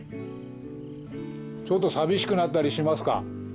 ちょっと寂しくなったりしますか？